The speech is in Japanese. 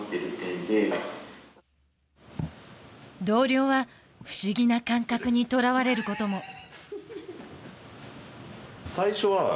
同僚は不思議な感覚にとらわれることも。